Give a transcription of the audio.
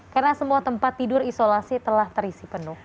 karena semua tempat tidur isolasi telah terisi penuh